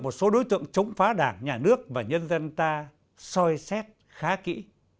đây là một số đối tượng chống phá đảng nhà nước và nhân dân ta soi xét khá kỹ